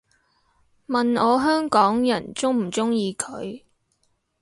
問我香港人鍾唔鍾意佢